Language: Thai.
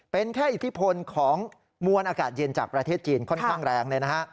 เป็นแค่อิทธิพลของมวลอากาศเย็นจากประเทศจีนค่อนข้างแรงเลยนะฮะ